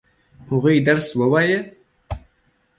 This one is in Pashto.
هغوی درس ووايه؟